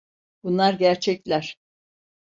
Bunlar gerçekler.